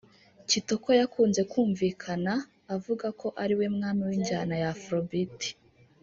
Kitoko yakunze kumvikana avuga ko ariwe mwami w’injyana ya Afrobeat